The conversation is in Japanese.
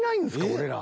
俺ら。